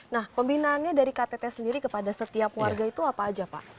nah pembinaannya dari ktt sendiri kepada setiap warga itu apa aja pak